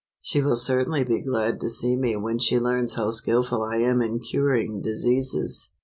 She will certainly be glad to see me when she learns how skillful I am in curing diseases.